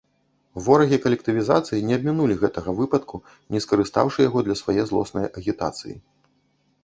Ворагі калектывізацыі не абмінулі гэтага выпадку, не скарыстаўшы яго для свае злоснае агітацыі.